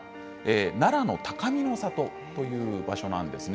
奈良の高見の郷という場所です。